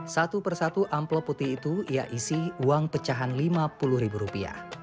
satu persatu amplop putih itu ia isi uang pecahan rp lima puluh ribu rupiah